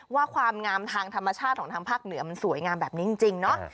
ความงามทางธรรมชาติของทางภาคเหนือมันสวยงามแบบนี้จริงเนาะ